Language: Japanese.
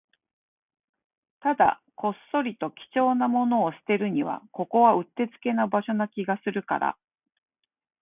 ただ、こっそりと貴重なものを捨てるには、ここはうってつけな場所な気がするから